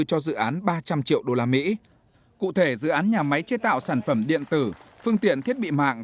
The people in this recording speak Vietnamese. cho dự án ba trăm linh triệu usd cụ thể dự án nhà máy chế tạo sản phẩm điện tử phương tiện thiết bị mạng